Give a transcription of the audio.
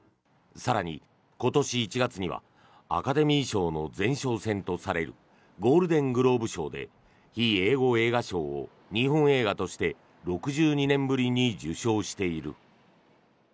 更に、今年１月にはアカデミー賞の前哨戦とされるゴールデン・グローブ賞で非英語映画賞を日本映画として６２年ぶりに受賞している。